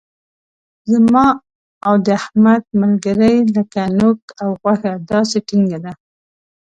زما او د احمد ملګري لکه نوک او غوښه داسې ټینګه ده.